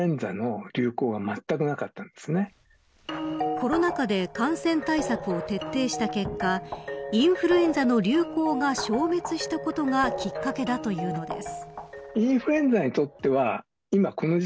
コロナ禍で感染対策を徹底した結果インフルエンザの流行が消滅したことがきっかけだというのです。